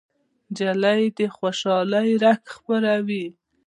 نجلۍ د خوشالۍ رڼا خپروي.